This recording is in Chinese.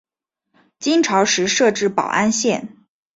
金朝时设置保安县。